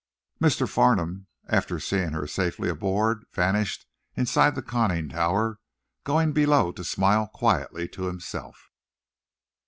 Mr. Farnum, after seeing her safely aboard, vanished inside the conning tower, going below to smile quietly to himself.